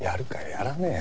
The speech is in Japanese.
やらねえよ。